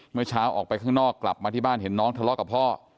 เมื่อเช้าออกไปข้างนอกกลับมาที่บ้านเห็นน้องทะเลาะกับพ่อ